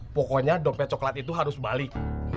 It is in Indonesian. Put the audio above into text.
pokoknya dompet coklat itu harus balik